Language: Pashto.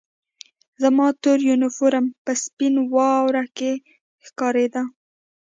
زما تور یونیفورم په سپینه واوره کې ښکارېده